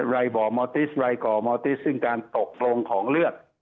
รายบ่อมอติสไรก่อมอติสซึ่งการตกลงของเลือด